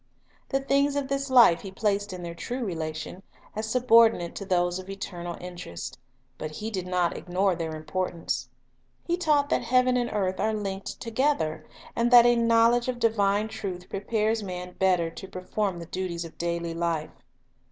The things of this life He placed in their true rela tion, as subordinate to those of eternal interest; but He did not ignore their importance. He taught that heaven and earth are linked together, and that a knowledge of divine truth prepares man better to perform the duties of daily life.